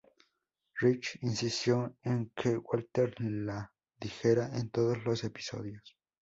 Rich insistió en que Walker la dijera en todos los episodios.